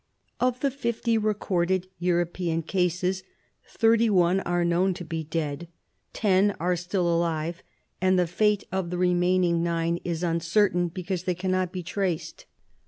Of the fifty recorded European cases, thirty one are known to be dead, ten are still alive, and the fate of the remaining nine is uncertain, because they cannot be traced.